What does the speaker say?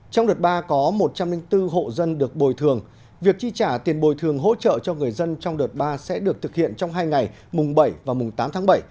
trong đợt ba có một trăm linh bốn hộ dân được bồi thường việc chi trả tiền bồi thường hỗ trợ cho người dân trong đợt ba sẽ được thực hiện trong hai ngày mùng bảy và mùng tám tháng bảy